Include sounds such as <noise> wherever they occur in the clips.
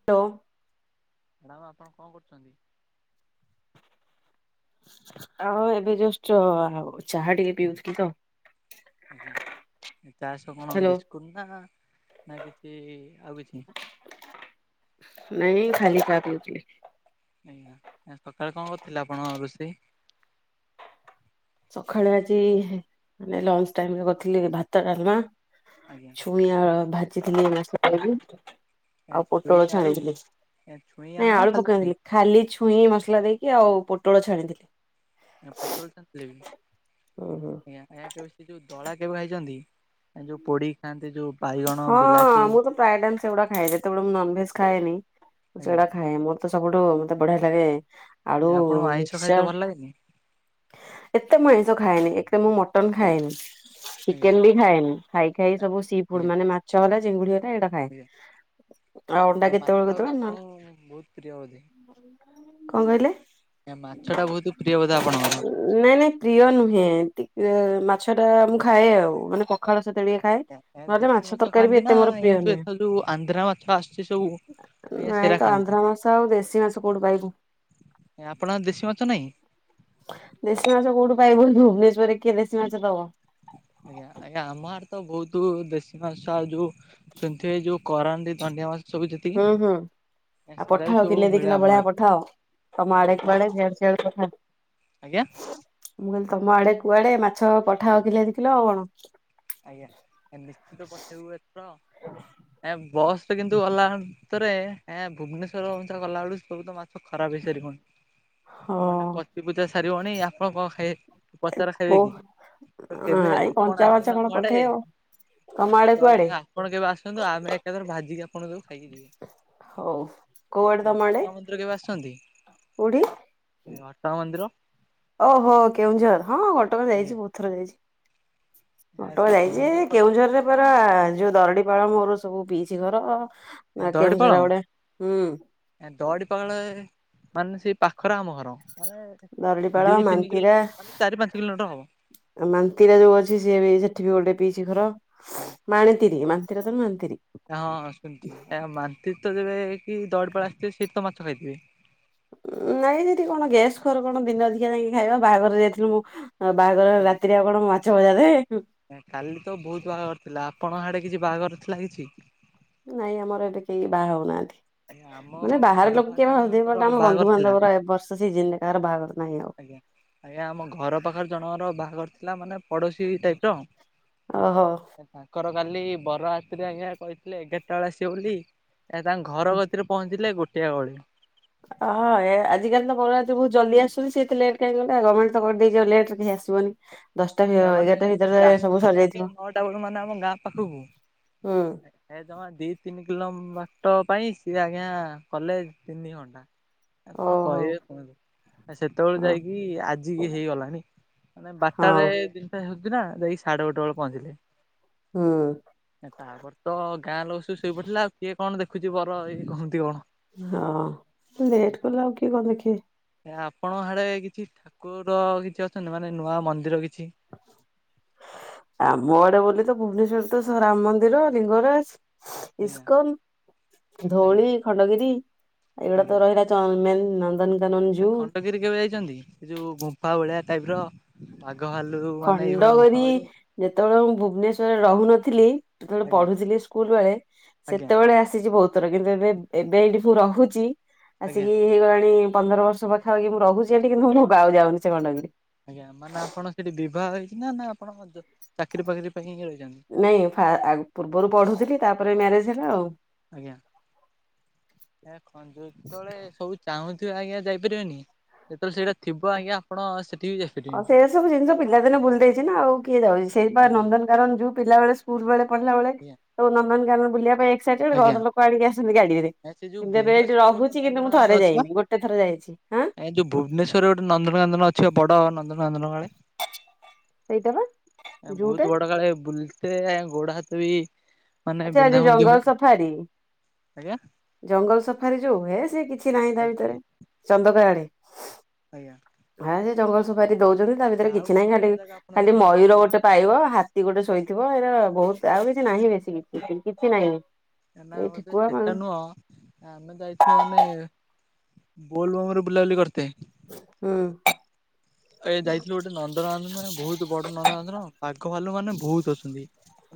<inaudible> ଆପଣ କ'ଣ କରୁଚନ୍ତି? ଆଉ ଏବେ ଚାହା ଟିକେ ପିଉଥିଲି ତ। ଆଜ୍ଞା, ଚା କ'ଣ ହ୍ୟାଲୋ ବିସ୍କୁଟ୍ ନା ନା କିଛି ଆଉ କିଛି। ନାଇଁ ଖାଲି ପିଉଥିଲି। ଆଜ୍ଞା, ସକାଳେ କ'ଣ କରିଥିଲେ, ଆପଣର ରୋଷେଇ? ସଖାଳେ ଆଜି ଲଞ୍ଚ୍ ଟାଇମ୍ ରେ କରିଥିଲି ଭାତ, ଡ଼ାଲ୍ମା। ଆଜ୍ଞା। ଛୁଇଁ ଆ ଭାଜିଥିଲି, ଆଉ ଛୁଇଁ ପୋଟଳ ଆଳୁ ଛାଣିଥିଲି, ଛୁଇଁ ନାଇଁ ନା ଆଳୁ ଖାଲି ପକା ଛୁଇଁ ଖାଲି ଛୁଇଁ ମସ୍‌ଲା ଦେଇକି, ଆଉ ପୋଟଳ ଛାଣିଥିଲେ। <inaudible> ଆଜ୍ଞା, ହୁଁ ହୁଁ କେବେ ସେ ଯଉ ଦଳା କେବେ ଖାଇଚନ୍ତି? ଯଉ ପୋଡ଼ି ଖାଆନ୍ତି ଯ ହଁ, ମୁଁ ତ ପ୍ରାୟେ ଟାଇମ୍ ସେଗୁଡା ଖାଏ। ଯେତେବଳେ ମୁଁ ନନ୍‌ଭେଜ୍‌ ଖାଏନି, ମୁ ଆଜ୍ଞା ସେ---ଡ଼ା ଖାଏ। ସବୁଠୁ ମତେ ବଢ଼ିଆ ଲାଗେ ଆଳୁ ଆପଣଙ୍କୁ ଆଇଁଷ ଖାଇତେ ମିକ୍ସଚର୍। ଭଲ ଲାଗେନି? ଏତେ ମୁଁ ଖାଏନି, ଏତେ ମୁଁ ମଟନ ଖାଏନି। ଆଜ୍ଞା ଚିକେନ୍‌ ବି ଖାଏନି, ଖାଇ ଖାଇ ସବୁ ସି ଫୁଡ୍‌ ଆଜ୍ଞା ମାନେ ମାଛ ହେଲା ଚିଙ୍ଗୁଡି ହେଲା। ଖାଏ। ଆଉ ଅଣ୍ଡା କେତେବେଳେ କେତେବେଳେ ନହେଲେ <inaudible> ଙ୍କ କହିଲେ? ମାଛ ଟା ବହୁତ୍ ପ୍ରିୟ ବଧେ ଆପଣଙ୍କର? ନାଇଁ ନାଇଁ ପ୍ରିୟ ନୁହେଁ, ମାଛଟା ମୁଁ ଖାଏ ଆଉ, ମାନେ ପଖାଳ----ଟିକେ ଖାଏ। ନହେଲେ ଦେଶୀ ମାଛ ତରକାରୀ ବି ଖାଆନ୍ତି ଏତେ ନା, ମୋର ପ୍ରିୟ ଆନ୍ଧ୍ରା ମାଛ ଆସ୍‌ଚି ସ ନାଇଁତ ଆନ୍ଧ୍ରା ମା ଆଉ ଦେଶୀ ମା କଉଠୁ ପାଇବୁ? ଆପଣ ଦେଶୀ ମାଛ ନାହିଁ? ଦେଶୀ ମାଛ କଉଠୁ ପାଇବୁ, ଭୁବନେଶ୍ୱରରେ କିଏ ଦେଶୀ ମାଛ ଦବ। ଆଜ୍ଞା ଆଜ୍ଞା। ଆମ ଆଡେ ତ ବହୁତ ଦେଶୀ ମାଛ ଆଉ ଯୋଉ ସୁଁଥି ଯୋଉ କରାଣ୍ଟି ଧଣ୍ଡିଆ ମାସ ସବୁ ହୁଁ ଯେତିକି ହୁଁ। ଆଉ ସେରା ବି ପଠାଅ ସବୁ କିଲେ ଦି ମିଳେ କିଲୋ ଆମ ଭଳିଆ ଆଡେ। ପଠାଅ। ତମ ଆଡେ ଆମ କୁଆଡେ ସିଆଡେ ସିଆଡେ ପଠାଅ। ଆଜ୍ଞା। ମୁଁ କହିଲି ତମ ଆଡେ କୁଆଡେ ମାଛ ପଠାଅ କିଲ ଦି କିଲ ଆଉ କଣ। ଆଜ୍ଞା ନିଶ୍ଚିତ ପଠେଇବୁ ଏଥର ଆଜ୍ଞା ବସ୍ ରେ କିନ୍ତୁ ଗଲା ଭିତରେ ଭୁବନେଶ୍ୱର ଗଲାବେେଳକୁ ସବୁ ତ ମାଛ ଖରାପ ହେଇସାରିିବଣି। ହ <inaudible> ମାଛ ମାନେ ପଚି ପୂଚା ସାରିବନି ଆପଣ କଣ ଖାଇ ପଚା ରା ଖାଇ କୋଉ ବେକି ତ କେବେ ଆପଣ ଆସ ପଚା କଣ ପଠେବ ତ ଆଜ୍ଞା ଆପଣ କେବେ ଆସନ୍ତୁ ଆମେ ଏକାଥର ଭାଜିକି ଆପଣଙ୍କୁ ଦବୁ ଖାଇକି ଯିବେ। ହଉ କୋଉଆଡେ ତମ ଆଡ଼େ? ଘଟଗାଁ ମନ୍ଦିର କେବେ ଆସୁଛନ୍ତି? କୋଉଠି? ଏ ଘଟଗାଁ ମନ୍ଦିର ଓହୋ କେଉଁଝର, ହଁ ଘଟଗାଁ ଆଜ୍ଞା। ଯାଇଛି ବୋହୁତ୍ ଥର ଯାଇଛି। ସେ ଘଟଗାଁ କେଉଁଝର ଯାଇଛି। ପାଖରୁ କେଉଁଝରରେ ପରା ଆଜ୍ଞା ଯୋଉ ଦରଡି ପାଳ ମୋର ସବୁ ପିଇଛି ଘର। ଏ ଆ ଦରଡିପାଳ। କେଉଁଝର ଗୋଟେ ହୁଁ ଦରଡିପାଳ ମାନେ ସେ ପାଖରେ ଆମ ଘର। ମାନେ ଦରଡିପାଳ ଦିଇ ତିନି କିଲୋ ମାନ୍ତିରା ମାନେ ଚାରି ପାଞ୍ଚ କିଲୋମିଟର ହବ। ମାନ୍ତିରା ଯୋଉ ଅଛି ସିଏ ବି ସେଠି ବି ଗୋଟେ ପିଇସି ଘର। ମାଣିତିରି ମାନତିରସ ମାନତିରି। ହଁ-ହଁ ଶୁଣିଛି ଆ ମାନ୍ତି ତ ଦେବେ କି ଦରଡିପାଳ ଆସିଥିବେ ସେଠି ତ ମାଛ ଖାଇଥିବେ। ନାଇଁ ଦିଦି କଣ ଗ୍ୟାସ୍ ଖର କଣ ଦିନ ଅଧିକା ଯାଇକି ଖାଇବା ବାହାଘରରେ ଯାଇଥିଲୁ ମୁଁ ଆ ବାହାଘର ଆଜ୍ଞା ରାତିରେ ଆଉ କଣ ମାଛ ଭଜା ଦେବେ? କାଲି ତ ବୋହୁତ୍ ବାହାଘର ଥିଲା ଆପଙ୍କ ଆଡେ କିଛି ବାହାଘର ଥିଲା କିଛି? ନାଇଁ ଆମର ଏବେ କେହି ବାହା ହଉନାହାନ୍ତି। ଆଜ୍ଞା ଆମ ମାନେ ବାହାରେ ଘର ଲୋକ ପାଖ କିଏ ବହାହାଉଥିବେ। ଜଣଙ୍କର ବଟ ଆମ ବାହାଘର ଥିଲା ବନ୍ଧୁବାନ୍ଧବର ଏବର୍ଷ ସିଜିନରେ କାହାର ବାହାଘର ନାହିଁ ଆଉ। ଆଜ୍ଞା। ଆଜ୍ଞା ଆମ ଘର ପାଖରେ ଜଣର ବାହାଘର ଥିଲା ମାନେ ପଡୋଶୀ ଟାଇପ୍ ର ଓହୋ। ତାଙ୍କର କାଲି ବର ରାତିରେ ଆଜ୍ଞା କହିଥିଲେ ଏଗାରଟା ବେଳେ ଆସିବ ବୋଲି ଏ ତାଙ୍କ ଘର କତିରେ ପହଞ୍ଚିଲେ ଗୋଟିଏ ବେଳେ। ହଁ ଏ ଆଜିକାଲି ତ ବରଯାତ୍ରୀ ବହୁତ୍ ଜଲଦି ଆସୁଛନ୍ତି। ସେ ଏତେ ଲେଟ କାହିଁ ଗଲେ। ଗମେଣ୍ଟ ତ କରିଦେଇଛି ଆଉ ଲେଟ ରେ କେହି ଆସି ଜୀବନୀ। ହେ ମାନେ ସିଏ ଆସିଥିଲେ ଆଗେ ନଅଟା ବେଳକୁ ମାନେ ଆମ ଗାଁ ପାଖକୁ ହୁଁ ଏ ଜମା ଦି ତିନି କିଲୋ ବାଟ ପାଇଁ ସିଏ ଆଜ୍ଞା କଲେ ତିନି ଘଣ୍ଟା। ଆ କଣ ଓହୋ। କହିବେ କୁହନ୍ତୁ, ସେତେବେଳେ ହଁ ଯାଇକି ଆଜିିକି ହେଇଗଲାଣି ମାନେ ବା ହଁ ସେ ଦିନଟା ହେଉଛି ନା ଯାଇକି ସାଢେ ଗଟେ ବେଳେ ପହଞ୍ଚିଲେ। ହୁଁ। ତାପରେ ତ ଗାଁ ଲୋକ ସବୁ ଶୋଇ ପଡ଼ିଥିଲେ ଆଉ କିଏ କଣ ଦେଖୁଛି ବର ଇଏ କଣ ଥିବ। ହଁ ଲେଟ୍ କଲା ଆଉ କିଏ କଣ ଦେଖିବେ। ଆପଣଙ୍କ ଆଡ଼େ କିଛି ଠାକୁର କିଛି ଅଛନ୍ତି ମାନେ ନୂଆ ମନ୍ଦିର କିଛି? ଆମ ଆଡେ ବୋଲି ଭୁବନେଶ୍ଵରରେ ତ ରାମ ମନ୍ଦିର, ଲିଙ୍ଗରାଜ ଆଜ୍ଞା ଇସ୍କନ, ଆଜ୍ଞା ଧଉଳି, ଖଣ୍ଡଗିରି ଏଇଗୁଡା ତ ଆଜ୍ଞା। ରହିଲା ଚମେନ୍ ନନ୍ଦନ ଖଣ୍ଡଗିରି କେବେ ଯାଇଛନ୍ତି? ସେ ଯୋଉ ଗୁମ୍ଫା ଭଳିଆ ଟାଇପ ର ବାଘ ଭାଲୁ ମାନେ ଏଇଭଳିଆ ଗୁମ୍ଫା ଖଣ୍ଡଗରି କହିବେ ଯେତେବେଳେ ମୁଁ ଭୁବନେଶ୍ୱରରେ ରହୁନଥିଲି ସେତେବେଳେ ଆଜ୍ଞା ପଢୁଥିଲି ସ୍କୁଲ ବେଳେ ଆଜ୍ଞା ସେତେବେଳେ ଆସିଚି ବୋହୁତ। ତର କିନ୍ତୁ ଏବେ ଏବେ ଏଇଠି ମୁଁ ରହୁଚି ଆଜ୍ଞା ଆସିକି ହେଇଗଲାଣି ପନ୍ଦର ବର୍ଷ୍ ମୁଁ ପାଖାପାଖି ମୁଁ ରହୁଚି ହେଠି କିନ୍ତୁ ମୁଁ ଗାକୁ ଯାଉନି ସେ ଗଣ୍ଡଗିରି। ଆଜ୍ଞା ମାନେ ଆପଣ ସେଠି ବିବାହ ହେଇଚିନା ନା ଆପଣ ଜ ଚାକିରି ଫାକିରି ପାଇଁ ହିଁ ରହିଚନ୍ତି? ନାଇଁ ଫା ଆ ପୂର୍ବରୁ ପଢ଼ୁଥୁଲି ତାପରେ ମ୍ୟାରେଜ୍ ହେଲା ଆଉ। ଆଜ୍ଞା। ହେ ଖଞ୍ଜୋଉ ଯେତେବେଳେ ସବୁ ଚାହୁଁଥୁବ ଆଜ୍ଞା ଯାଇପାରିବନି ଯେତୋଳେ ସେଇଟା ଥିବ ଆଜ୍ଞା ଆପଣ ସେଠି ବି ଯା ଅ ସେଇରା ସବୁ ଜିନିଷ ପିଲାଦିନେ ବୁଲଦେଇଚି ନା ଆଉ କିଏ ଯାଉଚି ସେଇ ପା ଆଜ୍ଞା ନନ୍ଦନ କାନନ୍ ଜୁ ପିଲାବେଳେ ସୁ ସ୍କୁଲ ବେଳେ ପଢିଲା ବେଳେ ଆଜ୍ଞା। ସବୁ ନନ୍ଦନ କାନନ ବୁଲିବା ପାଇଁ ଏକ୍ସାଇଟେଡ ଆଜ୍ଞା ଘର ଲୋକ ଆଣିକି ଆସନ୍ତି ଗାଡିରେ। ଏ ସେ ଯୋଉ କିନ୍ତୁ ଏବେ ଏଇଠି ଭୁବନେଶ୍ୱରରେ ଗୋଟେ ରହୁଚି କିନ୍ତୁ ମୁଁ ଥରେ ଯାଇନି ଗୋଟେ ଥରେ ଯାଇଚ। ହାଁ? ଆଜ୍ଞା ଯୋଉ ଭୁବନେଶ୍ୱରରେ ଗୋଟେ ନନ୍ଦନକାନନ ଅଛିି ବଡ ନନ୍ଦନକାନନ କାଳେ? ସେଇଟା ବା ଆଜ୍ଞା ଯୋଉଟା ବୋହୁତ ବଡ କାଳେ ବୁଲତେ ଗୋଡ ହାତ ବି ମାନେ ବିନ୍ଧାବୁନ୍ଧି ହୁଏ। ଖାଡୀ। ଆଁ ଜଙ୍ଗଲ ସଫାରି ଯୋଉ ହୁଏ ସିଏ କିଛି ନାହିଁ ତା ଆଜ୍ଞା ଭିତରେ ଚନ୍ଦକା ଆଡେ। ଅଜ୍ଞା। ହେଆ ସେ ଜଙ୍ଗଲ ସଫାରୀ ଦୋଉଚନ୍ତି ତା ଭିତରେ ଆଉ କିଛି କଣ ନାହିଁ ନୂଆ ଜାଗା ଯାଟିକେ ଆପଣ ଖାଲି ଯାଇଛନ୍ତି ମୟୂର ବୁଲାବୁଲି କରି? ଗୋଟେ ପାଇବ ହାତୀ ଗୋଟେ ଶୋଇଥିବ ଏରା ବୋହୁତ ଆଉ କିଛି ନାହିଁ ବେଶୀ କିଛି କିଛି ନାହିଁ। ଏ ନା ଏଇ ବୋଧେ ଠେକୁଆ ମା ସେଟା ନୁହଁ ଆମେ ଯାଇଥିଲୁ ମାନେ ବୋଲବମରେ ବୁଲାବୁଲି କରତେ। ଉଁ। ଏଇ ଯାଇଥିଲୁ ଗୋଟେ ନନ୍ଦନକାନନ ନୁହେଁ ବୋହୁତ ବଡ ନନ୍ଦନକାନନ ବାଘ ଭାଲୁ ମାନେ ବୋହୁତ ଅଛନ୍ତି।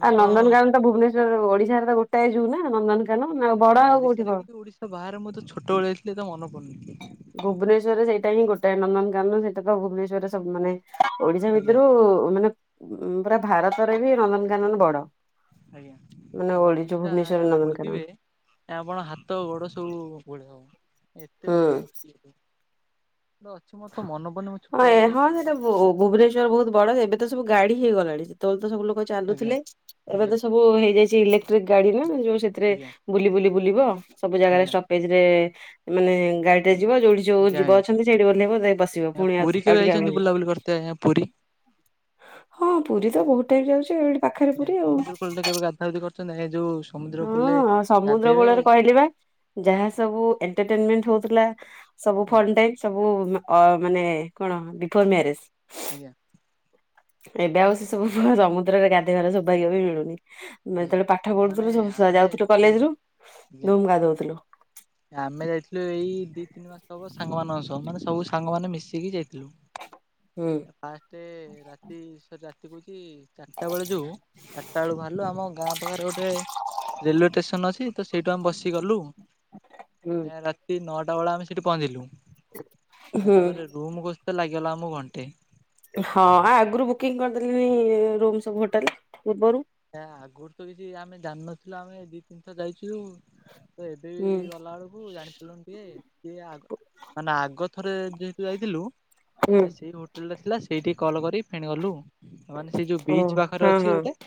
ଆଉ ଆପଣ ନନ୍ଦନକାନନ ତ ଭୁବନେଶ୍ୱରରେ ଓଡିଶାରେ ତ ଗୋଟାଏ ଜୁଉନା ନନ୍ଦନକାନ ଆଉ ବଡ କୋଉଠି କଣ। ସେ ବାହାରେ ମୁଁ ତ ଛୋଟବେଳେ ଯଇଥିଲି ଏତେ ମନ ପଡୁନି। ଭୁବନେଶ୍ୱରରେ ସେଇଟା ହିଁ ଗୋଟାଏ ନନ୍ଦନକାନନ ସେଇଟା ତ ଭୁବନେଶ୍ୱରରେ ସବୁ ମାନେ ଓଡିଶା ଆଜ୍ଞା ଭିତରୁ ମାନେ ପୁରା ଭାରତରେ ବି ନନ୍ଦନକାନନ ବଡ। ଆଜ୍ଞା ମାନେ ଓଡି ଯୋଉ ଏମାନେ ଭୁବନେଶ୍ୱର ଆଜ୍ଞା ନନ୍ଦନକାନନ ବୁଲିବେ ଆଜ୍ଞା ଆପଣ ହାତ ଗୋଡ ସବୁ ଘୋଳେଇହବ ଏତେ ହୁଁ। ବୁଲିବେ <unintelligible> ଗୋଟେ ଅଛି ମୋର ତ ମନେ ପଡୁନି ମୁଁ ଛୋଟବେଳେ ଯାଇଥିଲି ଟି ଓ ଭୁବନେଶ୍ଵର ବୋହୁତ ବଡ ଯେ ଏବେ ତ ସବୁ ଗାଡି ହେଇଗଲାଣି ସେତେବେଳେ ତ ସବୁ ଲୋକ ଆଜ୍ଞା ଚାଲୁଥୁଲେ ଏବେ ତ ଆଜ୍ଞା। ସବ୍ ବୁ ହେଇଯାଇଚି ଇଲେକ୍ଟ୍ରିକ ଗାଡି ନା ଯୋଉ ସେଥିରେ ବୁଲି ବୁଲି ବୁଲିବ ସବୁ ଜାଗାରେ ଆଜ୍ଞା ଷ୍ଟ ଏଥିରେ ମାନେ ଗାଡିରେ ଯିବ ଯୋଉଠି ଯୋଉ ଆଜ୍ଞା ଆଜ୍ଞା ଜୀବ ଆଜ୍ଞା ଅଛନ୍ତି ସେଇଠି ବ ଓହ୍ଲେଇବ ଯାଇ ବସିବ ପୁଣି ଆଉ ଜ୍ ଆଉ ଟିକେ ଆଗକୁ ଯିବ। ତ ଏହା ପୁରୀ। ହଁ ପୁରୀ ତ ବୋହୁତ ଟାଇମ୍ ଯାଉଚି ଏଇଠି ପାଖରେ ପୁରୀ ଆଉ ସମୁଦ୍ର କୂଳରେ କେବେ ଗାଧା ଗୁଧି କରିଛନ୍ତି ଏ ଯୋଉ ସମୁଦ୍ର କୂଲେ ହଁ ସମୁଦ୍ର ଗାଧେଇବେ କୂଳରେ କହିଲି ପା। ଯାହାସବୁ ଏଣ୍ଟେଟେଣ୍ଟମେଣ୍ଟ ହୋଉଥିଲା ସବୁ ଫୋନ ଟାଇମ ସବୁ ମା ଅ ମାନେ କଣ ବିଫୋର ମ୍ୟାରେଜ ଆଜ୍ଞା। ଏବେ ଆଉ ସେ ସବୁ ସମୁଦ୍ରରେ ଗାଧେଇବାର ସୌଭାଗ୍ୟ ବି ମିଳୁନି। ଆମେ ଆଜ୍ଞା। ଯେତେବେଳେ ପାଠ ମାନେ ପଢୁଥୁଲୁ ସବୁ ଆମେ ଯାଉଥୁଲୁ କଲେଜରୁ ଧୁମ୍ ଗାଧୋଉଥୁଲୁ। ଏ ଆମେ ଯାଇଥିଲୁ ଏଇ ଦିଇତିନି ମାସ ହବ ସାଙ୍ଗମାନଙ୍କ ସହ ମାନେ ସବୁ ସାଙ୍ଗମାନେ ମିଶିକି ଯାଇଥିଲୁ। ହୁଁ। ଫାଷ୍ଟେ ରାତି ସରି ରାତି କୋହୁଚି ଚାରଟା ବେଳ ଯୋଉ ଚାରିଟା ବେଳୁ ବାହା ରଲୁ ଆମ ଗାଁ ପାଖରେ ଗୋଟେ ରେଲୱେ ଟେସନ୍ ଅଛି ତ ସେଇଠୁ ଆମେ ବସିକି ଗଲୁ। ହୁଁ ଏ ରା ତି ନଅଟା ବେଳେ ଆମେ ସେଇଠି ପହଁଚିଲୁ ଆ ତାପରେ ରୁମୁ ଖୋଜତେ ଲାଗିଗଲା ଆମକୁ ଘଣ୍ଟେ। ହଁ ଆ ଆଗରୁ ବୁକିଂ କରିଦେଲେନି ରୁମ୍ ସବୁ ହୋଟେଲ ପୂର୍ବରୁ। କାଇଁ ଆଗୁରୁ ତ କିଛି ଆମେ ଜାଣିନଥିଲୁ ଆମେ ଦି ତିନିଥର ଯାଇଥିଲୁ। ତ ଏବେ ହୁଁ। ଗଲା ବେଳକୁ ଜାଣି ଅଲମ ପିଏ କିଏ ଆଗ ମାନେ ଆଗ ଥରେ ଯେ ଯେହେତୁ ଯାଇଥିଲୁ ହୁଁ। ଆ ସେଇ ରୋ ହୋଟେଲ ଥିଲା ସେଇଠିକି କଲ୍ କରି ଫେଣି ଗଲୁ ମାନେ ସେଇ ଯୋଉ ଓ ବିଚ୍ ପାଖରେ ହଁ ହଁ। ଅଛି ଗୋଟେ।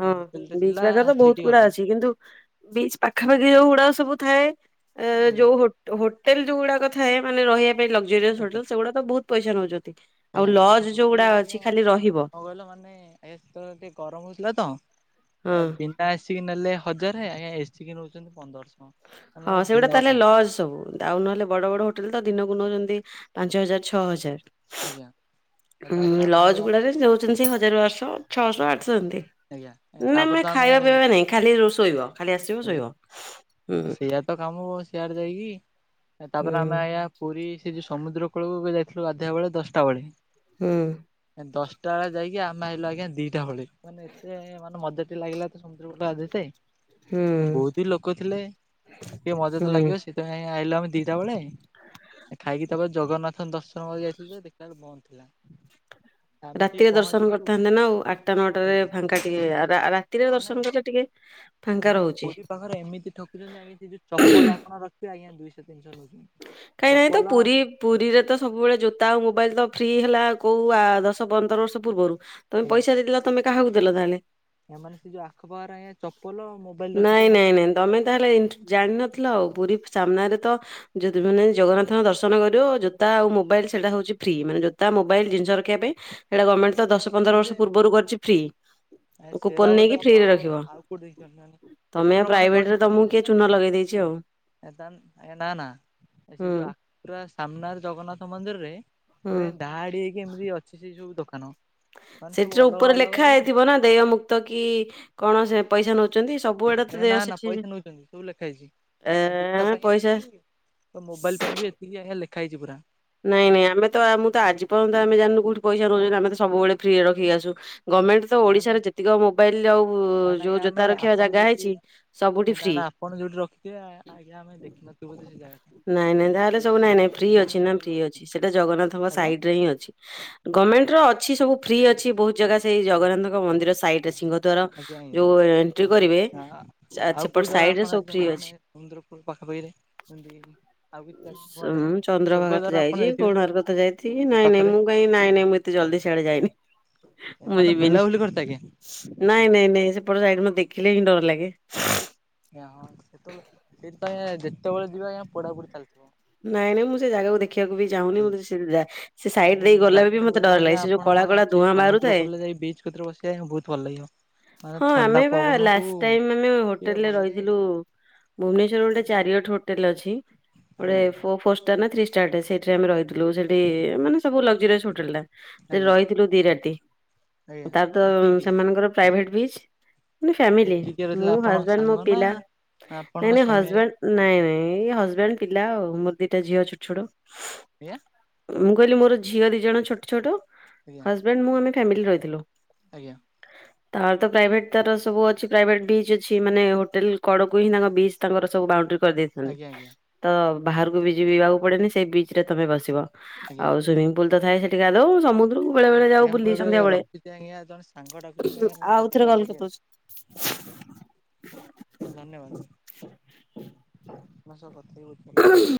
ହଁ ହୋଟେଲ ଟେ ବିଚ୍ ଥିଲା ପାଖରେ ତ ବହୁତ ସେଇଠି ଗୁଡା ଗଲୁ ଅଛି କିନ୍ତୁ ବିଚ ପାଖାପାଖି ଯୋଉ ଗୁଡାକ ସବୁ ଥାଏ ଏଁ ଆଜ୍ଞା ଯୋଉ ହୋ ହୋଟେଲ ଯୋଉ ଗୁଡାକ ଥାଏ ମାନେ ରହିବା ପାଇଁ ଲକଜରିଅସ୍ ଆଜ୍ଞା। ହୋଟେଲ ସେଗୁଡା ତ ବହୁତ ପଇସା ନେଉଚନ୍ତି ଆଉ ଲଜ ଯୋଉଗୁଡା ଅଛି ଖାଲି ରହିବ। କ କହିଲ ମାନେ ଏସେ ତଳେ ଟିକେ ଗରମ ହଉଥିଲା ତ ହଁ ଏ ବି ବିନା ଏସିକି ନେଲେ ହଜାର ଆଜ୍ଞା ଏସିକି ନେଉଚନ୍ତି ପନ୍ଦରଶହ। ହଁ ମାନେ ସେଗୁଡା ଦିନକ ତାହେଲେ ପାଇଁ ଲଜ ସବୁ। ତାଉ ନହେଲେ ବଡ ବଡ ହୋଟେଲ ତ ଦିନକୁ ନେଉଚନ୍ତି ପାଞ୍ଚ ହଜାର ଛଅ ଆଜ୍ଞା ହଜାର। ତାପରେ ହୁଁ ଆମେ ଲଜ ଆଜ୍ଞା ଗୁଡା ରେ ନଉଚନ୍ତି ସେ ହଜାର ବାରଶହ ଛଅଶହ ଆଠଶହ ଏମିତି। ଆଜ୍ଞା ଆଜ୍ଞା ନା ତାପରେ ମେ ତ ଆମେ ଖାଇବା ପିଇବା ନାଇଁ ଖାଲି ରୋ ଶୋଇବ ଖାଲି ଆସିବ ଶୋଇବ। ହୁଁ ଆ ସେଇଆ ତ କାମ ହ ସିଆଡ଼େ ଯାଇକି ହୁଁ ତାପରେ ଆମେ ଆଜ୍ଞା ପୁରୀ ସେ ଯୋଉ ସମୁଦ୍ର କୂଳକୁ ଗ ଯାଇଥିଲୁ ଗାଧେଇବା ବେଳେ ଦଶଟା ବେଳେ। ହୁଁ। ଦଶଟା ବେଳେ ଯାଇକି ଆମ ଆଇଲୁ ଆଜ୍ଞା ଦିଟା ହଳି। ମାନେ ଏତେ ମାନେ ମଜାଟି ଲାଗିଲା ତ ସମୁଦ୍ର କୂଳେ ଗାଧେଇତେ। ହୁଁ ବହୁତ ହି ଲୋକ ଥିଲେ ଟିକେ ମଜା ତ ହୁଁ ଲାଗିବ ସେଥିପାଇଁ ଆଇିଲୁ ଆମେ ଦିଟା ବେଳେ। ଖାଇକି ତାପରେ ଜଗନ୍ନାଥ ଦର୍ଶନ କରି ଯାଇଥିଲୁ ଯେ ଦେଖିଲେଳୁ ବନ୍ଦ ଥିଲା। ଆମେ ଟିକେ ରାତିରେ ଦର୍ଶନ ପହଞ୍ଚିଲୁ କରିଥାନ୍ତେ ନା ଆଉ ଆଟା ନଅଟାରେ ଆଜ୍ଞା ଫାଙ୍କା ଟିକେ ରା ରାତିରେ ଏମାନେ ଦର୍ଶନ କଲେ ଟିକେ ଫାଙ୍କା ଏମାନେ ରହୁଛି ପୁରୀ ପାଖରେ ଏମିତି ଠକୁଚନ୍ତି ଆଜ୍ଞା ସେ ଯୋଉ ଚପଲ ଆପଣ ରଖିବେ ଆଜ୍ଞା ଦୁଇଶହ ତିନିଶହ ନଉଚନ୍ତି। କାଇଁ ନାଇଁ ତ ପୁରୀ। ପୁରୀରେ ତ ସବୁବେଳେ ଜୋତା ଆଉ ମୋବାଇଲ ତ ଫ୍ରି ହେଲା କୋଉ ଆ ଦଶ ପନ୍ଦର ବର୍ଷ ପୂର୍ବରୁ। ତମେ ଆଜ୍ଞା ପଇସା ଦେଇଦେଲ ତମେ କାହାକୁ ଦେଲ ତାହଲେ? ଏମାନେ ସେ ଯୋଉ ଆଖପଖରେ ଆଜ୍ଞା ଚପଲଆଉ ମୋବାଇଲ ନାଇଁ ରଖିତେ ଗନ୍ ନାଇଁ ନାଇଁ ତମେ ତାହେଲେ ଏନ୍ତେ ଜାଣିନଥିଲ ଆଉ ପୁରୀ ସାମ୍ନାରେ ତ ଯଦୀ ମାନେ ଜଗନ୍ନାଥଙ୍କ ଦର୍ଶନ କରିବ ଜୋତା ଆଉ ମୋବାଇଲ ସେଟା ହଉଛି ଫ୍ରି ମାନେ ଜୋତା ମୋବାଇଲ ଜିନିଷ ରଖିବା ପାଇଁ ହେଟା ଗମେଣ୍ଟ ତ ଆମେ ଦଶ ଦେଖିଲୁ ପନ୍ଦର ଯେ ବର୍ଷ ପୂର୍ବରୁ କରିଛି ଫ୍ରି। ସେରା କୁପନ ବୋଧେ ନେଇକି ଆପଣ ଫ୍ରିରେ ରଖିବ ଆଉ କୋଉଠି ଦେଖିଛନ୍ତି ମାନେ ତମେ ଏଥର ମାନେ ପ୍ରାଇଭେଟ ରେ ତମକୁ କିଏ ଚୁନ ଲଗେଇ ଦେଇଚି। ଯୋଉ ଏ ଆଜ୍ଞା ନାଁ ନାଁ। ଆ ସେ ହୁଁ ଯୋଉ ଆ ପୁରା ସାମ୍ନାରେ ଜଗନ୍ନାଥ ମନ୍ଦିର ରେ ହୁଁ ପୁରା ଏନ୍ତି ଧାଆଡି ହେଇକି କେମିତି ଅଛି ସେଇ ସବୁ ଦୋକାନ। ମାନେ ସବୁ ସେଥିରେ ଅଲଗା ଉପରେ ଅଲଗା ଲେଖା ଇଏ ହେଇଥିବ ନା ଦେୟ ମୁୁକ୍ତ କି କଣ ସେ ପଇସା ନଉଚନ୍ତି ସବୁ ଆଡେ ଏ ତ ନା ଦେୟ ନା ସେଠି ପଇସା ନଉଛନ୍ତି ସବୁ ଲେଖା ହେଇଛି ଏ ଆ ଜୋତା ପାଇଁ ପଇସା ଏତିକି ତ ମୋବାଇଲ ପାଇଁ ବି ଏତିକି ଆଜ୍ଞା ଲେଖା ହେଇଚି ପୁରା। ନାଇଁ ନାଇଁ ଆମେ ତ ଆ ମୁଁ ତ ଆଜି ପର୍ଯ୍ୟନ୍ତ ଆମେ ଜାଣିନୁ କଉଠି ପଇସା ନଉଚନ୍ତି ଆମେ ତ ସବୁବେଳେ ଫ୍ରିରେ ରଖିକି ଆସୁ। ଗମେଣ୍ଟ ତ ତାହେଲେ ଓଡିଶାରେ ଯେତିକ ମୋବାଇଲ ଆଉ ତାହେଲେ ଯୋଉ ଆଜ୍ଞା ଆମେ ଜୋତା ରଖିବା ଆପଣ ଜାଗା ଯୋଉଠି ହେଇଛି ସବୁଠି ଫ୍ରି। କି ଆଜ୍ଞା ଆମେ ଦେଖିନଥିବୁ ବୋଧେ ସେ ଜାଗାଟା। ନାଇଁ ନାଇଁ ଜାହେଲେ ସବୁ ନାଇଁ ସେଇଥିପାଇଁ ନାଇଁ ଆଜ୍ଞା ଫ୍ରି ଅଛି ନା ଫ୍ରି ଅଛି ସେଟା ଜଗନ୍ନାଥଙ୍କ ଆଜ୍ଞା ସାଇଡ ରେ ହିଁ ଅଛି। ଗମେଣ୍ଟର ଅଛି ସବୁ ଫ୍ରି ଅଛି ବହୁତ ଜାଗା ସେଇ ଜଗନ୍ନାଥଙ୍କ ମନ୍ଦିର ସାଇଟ ରେ ଶିବ। ଆଜ୍ଞା ଆଜ୍ଞା ଆ ଆଉ ସେପଟ କୋଉ ଜାଗା ସାଇଡ ରେ ଆପଣ ସବୁ ଫ୍ରି ଆଇଚନ୍ତି ମାନେ ଅଛି। ସମୁନ୍ଦ୍ରକୁଳ ପାଖାପାଖିରେ। ଯେମିତି କି ଆଉ କିଛି ଜାଗା ନୂଆ ଜାଗା ମୁଁ ଚନ୍ଦ୍ରଭାଗା ସ୍ୱର୍ଗ ଦ୍ୱାର ଆପଣ ଯାଇଛି ଯାଇଥିବେ କୋଣାର୍କ ତ ଯାଇଥି ଏଇ ନାଇଁନାଇଁ ପାଖରେ ମୁଁ କାଇଁ ନାଇଁ ନାଇଁ ମୁଁ ଏତ ଜଲଦି ସିଆଡେ ଯାଇନି। ମୁଁ ମାନେ ଯିବିନି। ବୁଲାବୁଲି କରିତେ ଆଜ୍ଞା ନାଇଁ ନାଇଁ ନାଇଁ ସେପଟେ ସାଇଡ ମୋତ୍ ଦେଖିଲେ ହିଁ ଡର ଲାଗେ। ଆଜ୍ଞା ହଁ ସେତବେଳେ ସେଇଥିପାଇଁ ଯେତେବେଳେ ଯିବେ ଆଜ୍ଞାପୋଡା ପୁଡ଼ି ଚାଲିଥିବ। ନାଇଁନାଇଁ ମୁଁ ସେ ଜାଗାକୁ ଦେଖ ଦେଖିବାକୁ ବି ଚାହୁଁନି। ମୁ ତ ସେ ଆଜ୍ଞା ସାଇଡ ତ ଦେଇ ଗଲେ ବି ଚାରିଟା ମତେ ବେଳେ ଡର ଆଜ୍ଞା ଲାଗେ। ସେ ଯୋଉ କଳା କଳା ଧୂଆଁ ବାହାରୁଥାଏ। ସତରେ ବସି <unintelligible> ବହୁତ ଭଲ ଲାଗିବ। ମାନେ ହଁ ଥଣ୍ଡା ଆମେ ବା ପବନକୁ ଲାସ ଟାଇମ ଆମେ ଟିକେ ହୋଟେଲରେ ଭଲ ଲାଗେ ରହିଥିଲୁ ଭୁବନେଶ୍ୱରରେ ଗୋଟେ ଚାରିଓଟ ହୋଟେଲ ଅଛି ଗୋଟେ ଆଜ୍ଞା ଫୋ ଫୋର ଷ୍ଟାର ନା ଥ୍ରୀ ଷ୍ଟାର ଟେ ସେ ଥିରେ ଆମେ ରହିଥିଲୁ। ସେଠି ମାନେ ସବୁ ଲକ୍ଜରିଆସ ହୋଟେଲ ଟା ସେଠି ଆଜ୍ଞା ରହିଥିଲୁ ଦି ରାତି। ଆଜ୍ଞା। ତାର ତ କିଏ କିଏ ସେମାନଙ୍କର ପ୍ରାଇଭେଟ ବିଚ ମାନେ ଏ ଫ୍ୟାମିଲି କିଏ କିଏ ରହିଥିଲେ ମୁଁ ଆପଣ ହଜବାଣ୍ଡ ମୋ ସାଙ୍ଗ ନା ପିଲା। ଆପଣ ନାଇଁ ନାଇଁ ସ୍ୱାମୀ ଆଜ୍ଞା ହଜବେଣ୍ଡ ନାଇଁ ନାଇଁ ଏଇ ହଜବେଣ୍ଡ ପିଲା ଆଉ ମୋର ଦିଟା ଝିଅ ଛୋଟ ଛୋଟ ଆଜ୍ଞା? ମୁଁ କହିଲି ମୋର ଝିଅ ଦି ଜଣ ଛୋଟ ଛୋଟ ଆଜ୍ଞା ହଜବେଣ୍ଡ ମୁ ଆମେ ଫ୍ୟାମିଲି ରହିଥିଲୁ। ଆଜ୍ଞା। ହ ତାର ତ ପ୍ରାଇଭେଟ ତାର ସବୁ ଅଛି ପ୍ରାଇଭେଟ ବିଚ୍ ଅଛି ମାନେ ହୋଟେଲ କଡକୁ ହିଁ ତାଙ୍କ ବିଚ୍ ତାଙ୍କର ସବୁ ବାଉଣ୍ଡରି କରିଦେଇ ଆଜ୍ଞା ଆଜ୍ଞା। ତ ବାହାରକୁ ବି ଯିବାକୁ ପଡେନି ସେଇ ବିଚ ରେ ତମେ ବସିବ। ଆଉ ଆଜ୍ଞା ସୁଇମିଙ୍ଗ ପୁଲ ତ ଥାଏ ସେଠି ଗାଧୋଉ ସମୁଦ୍ରକୁ ବେଳେ ବେଳେ ଯାଉ ମୁଁ ବୁଲି ଏବେ ସନ୍ଧ୍ୟା ବେଳେ। ରଖୁଛି ଆଜ୍ଞା ଜଣେ ସାଙ୍ଗ ଡାକୁଛନ୍ତି ଆଜ୍ଞା ମୁଁ ଟିକେ ଆଉଥରେ କଲ କରିଦୋଉଛି। <inaudible> ହଁ ଧନ୍ୟବାଦ ଆପଣଙ୍କ ସହ କଥା ହେଇକି ବହୁତ ଭଲ ଲାଗିଲା